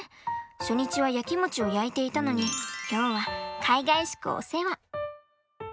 初日はやきもちをやいていたのに今日はかいがいしくお世話。